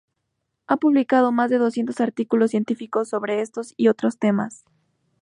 Ha publicado más de doscientos artículos científicos sobre estos y otros temas.